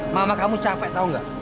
mama kamu capek tau gak